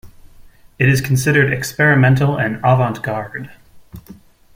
It is considered experimental and avant-garde.